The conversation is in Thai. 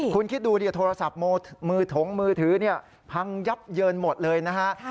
คุณคิดดูดิโทรศัพท์มือถงมือถือพังยับเยินหมดเลยนะฮะ